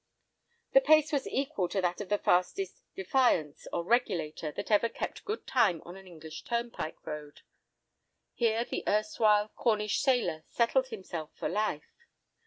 The pace was equal to that of the fastest "Defiance" or "Regulator" that ever kept good time on an English turnpike road. Here the erstwhile Cornish sailor settled himself for life.